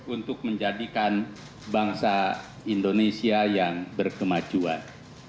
untuk menjadikan bangsa indonesia yang berkemajuan